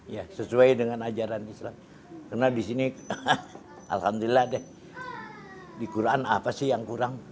ya sesuai dengan ajaran islam karena disini alhamdulillah deh di quran apa sih yang kurang